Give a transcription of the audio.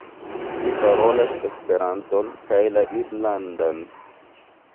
Li parolas Esperanton kaj la irlandan.